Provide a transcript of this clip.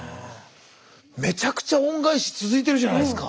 めちゃくちゃ恩返し続いてるじゃないですか。